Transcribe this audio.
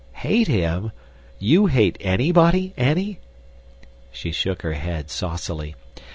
"Hate him! YOU hate anybody, Annie?" She shook her head saucily.